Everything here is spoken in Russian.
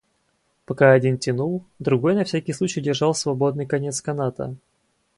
Пока один тянул, другой на всякий случай держал свободный конец каната.